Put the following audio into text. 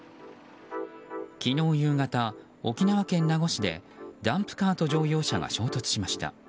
昨日夕方、沖縄県名護市でダンプカーと乗用車が衝突しました。